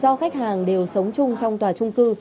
do khách hàng đều sống chung trong tòa trung cư